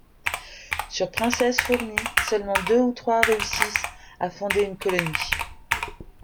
Sur princesses fourmis, seulement deux ou trois réussissent à fonder une colonie.